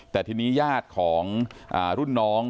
แต่ทีนี้ญาติของรุ่นน้อง